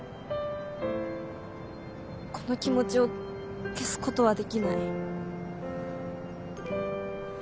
この気持ちを消すことはできない。